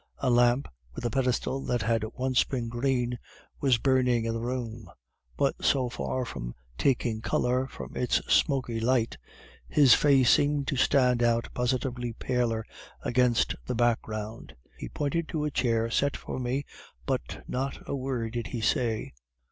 A lamp, with a pedestal that had once been green, was burning in the room; but so far from taking color from its smoky light, his face seemed to stand out positively paler against the background. He pointed to a chair set for me, but not a word did he say.